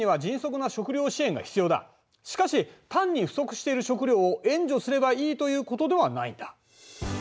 しかし単に不足している食料を援助すればいいということではないんだ。